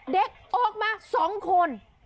เด็กออกมา๒คน